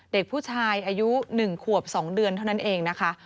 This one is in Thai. เด็กผู้ชายอายุ๑ขวบ๒เดือนเท่านั้นเองนะคะ